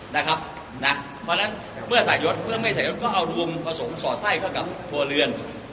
เพราะฉะนั้นเมื่อใส่ยศเมื่อไม่ใส่ยศก็เอารวมผสมสอดไส้เข้ากับครัวเรือน